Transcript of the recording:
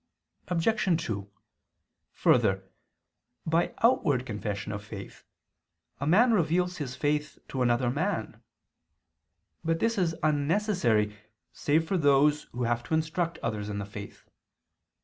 Obj. 2: Further, by outward confession of faith, a man reveals his faith to another man. But this is unnecessary save for those who have to instruct others in the faith.